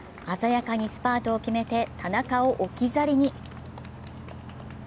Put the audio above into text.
鮮やかにスパートを決めて田中を置き去りに。